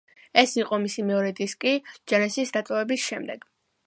ეს იყო მისი მეორე დისკი ჯენესისის დატოვების შემდეგ.